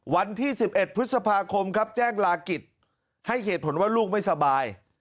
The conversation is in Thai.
วันที่๑๑พฤษภาคมครับแจ้งลากิจให้เหตุผลว่าลูกไม่สบาย